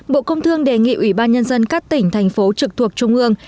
bộ công thương đề nghị ủy ban nhân dân các tỉnh thành phố trực thuộc trung ương